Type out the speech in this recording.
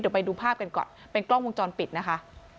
เดี๋ยวไปดูภาพกันก่อนเป็นกล้องวงจรปิดนะคะ